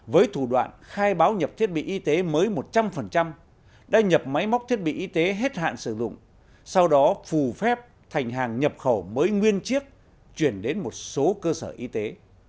với thủ đoạn khai báo nhập thiết bị y tế mới một trăm linh đã nhập máy móc thiết bị y tế hết hạn sử dụng sau đó phù phép thành hàng nhập khẩu mới nguyên chiếc chuyển đến một số cơ sở y tế